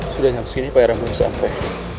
sudah jam segini pak erang belum sampai